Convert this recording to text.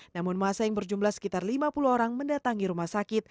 namun masa yang berjumlah sekitar lima puluh orang mendatangi rumah sakit